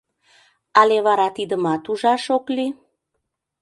Але вара тидымат ужаш ок лий?